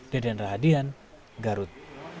deden rahadian garut